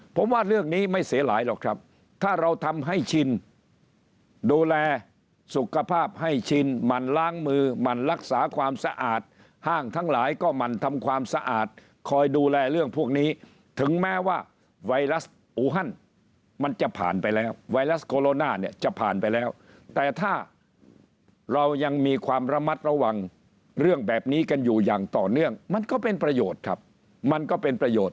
ผมว่าเรื่องนี้ไม่เสียหายหรอกครับถ้าเราทำให้ชินดูแลสุขภาพให้ชินมันล้างมือหมั่นรักษาความสะอาดห้างทั้งหลายก็มันทำความสะอาดคอยดูแลเรื่องพวกนี้ถึงแม้ว่าไวรัสอูฮันมันจะผ่านไปแล้วไวรัสโคโรนาเนี่ยจะผ่านไปแล้วแต่ถ้าเรายังมีความระมัดระวังเรื่องแบบนี้กันอยู่อย่างต่อเนื่องมันก็เป็นประโยชน์ครับมันก็เป็นประโยชน์